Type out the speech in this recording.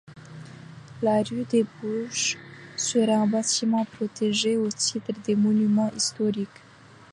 La rue débouche sur un bâtiment protégé au titre des monuments historiques.